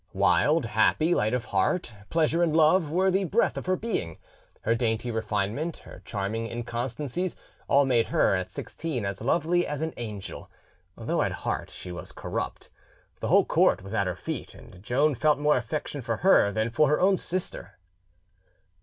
Wild, happy, light of heart, pleasure and love were the breath of her being; her dainty refinement, her charming inconstancies, all made her at sixteen as lovely as an angel, though at heart she was corrupt. The whole court was at her feet, and Joan felt more affection for her than for her own sister.